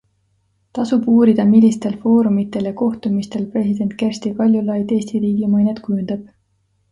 Tasub uurida, millistel foorumitel ja kohtumistel president Kersti Kaljulaid Eesti riigi mainet kujundab.